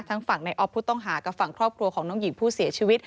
ฝั่งในออฟผู้ต้องหากับฝั่งครอบครัวของน้องหญิงผู้เสียชีวิต